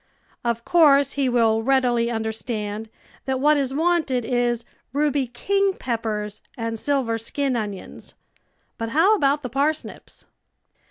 Of course he will readily understand that what is wanted is ruby ON THE SOWING OF SEED king peppers and silver skin onions, but how about the parsnips?